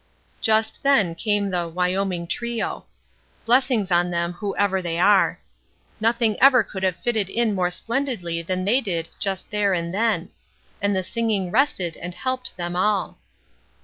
Just then came the "Wyoming Trio." Blessings on them, whoever they are. Nothing ever could have fitted in more splendidly than they did just there and then. And the singing rested and helped them all.